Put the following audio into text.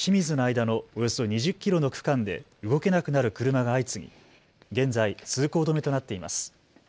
間のおよそ２０キロの区間で動けなくなる車が相次ぎ現在、通行止めとなっています。